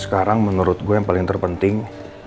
sekarang menurut gue yang paling terpenting